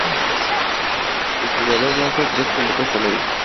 El jugador lanza tres pelotas al aire.